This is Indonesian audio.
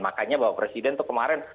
makanya bapak presiden itu kemarin